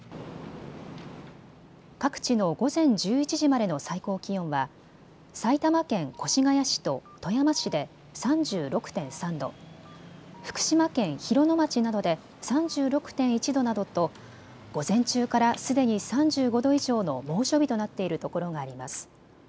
各地の午前１１時までの最高気温は埼玉県越谷市と富山市で３６．３度、福島県広野町などで３６．１度などと午前中からすでに３５度以上の猛暑日となっているところがあります。